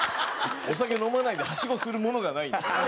お酒飲まないのではしごするものがないので。